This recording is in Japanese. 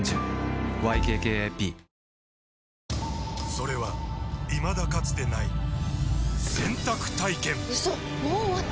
それはいまだかつてない洗濯体験‼うそっ！